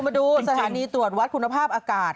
มาดูสถานีตรวจวัดคุณภาพอากาศ